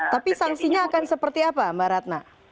tapi sanksinya akan seperti apa mbak ratna